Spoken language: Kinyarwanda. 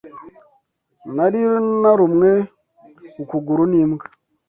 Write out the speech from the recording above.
Nari narumwe ukuguru n'imbwa.